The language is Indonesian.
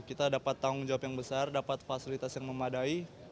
kita dapat tanggung jawab yang besar dapat fasilitas yang memadai